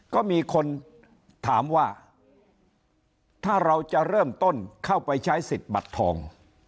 ก็มีคนถามว่าถ้าเราจะเริ่มต้นเข้าไปใช้สิทธิ์บัตรทอง